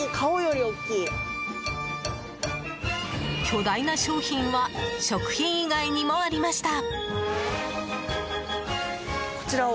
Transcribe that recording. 巨大な商品は食品以外にもありました。